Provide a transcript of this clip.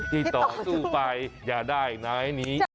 ที่ต่อสู้ไปอย่าได้นายนี้